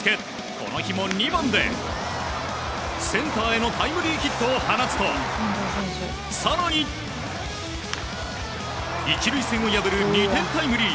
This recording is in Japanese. この日も２番でセンターへのタイムリーヒットを放つと更に１塁線を破る２点タイムリー。